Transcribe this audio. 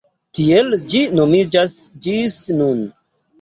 Tiel ĝi nomiĝas ĝis nun.